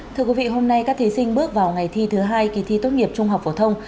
thưa quý vị hôm nay các thí sinh bước vào ngày thi thứ hai kỳ thi tốt nghiệp trung học phổ thông